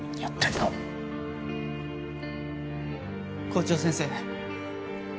校長先生。